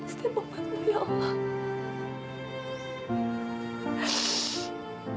setiap bapak tuhan ya allah